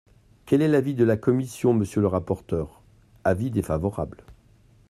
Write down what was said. Quel est l’avis de la commission, monsieur le rapporteur ? Avis défavorable.